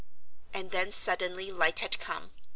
And then suddenly light had come.